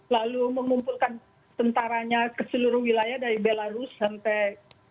lalu mengumpulkan tentaranya ke seluruh wilayah dari belarus sampai